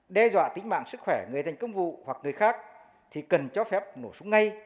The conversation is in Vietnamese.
đe dọa tính mạng sức khỏe người thành công vụ hoặc người khác thì cần cho phép nổ súng ngay